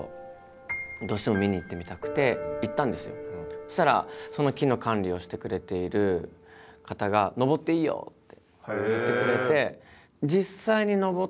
そしたらその木の管理をしてくれている方が「登っていいよ」って言ってくれて。